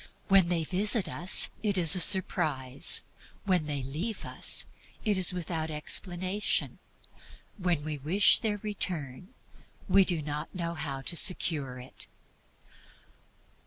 When they visit us, it is a surprise. When they leave us, it is without explanation. When we wish their return, we do not know how to secure it.